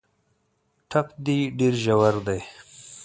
ټپ دي ډېر ژور دی .